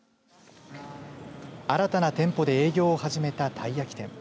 新たな店舗で営業を始めたたい焼き店。